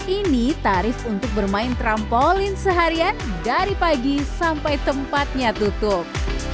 ini tarif untuk bermain trampolin seharian dari pagi sampai tempatnya tutup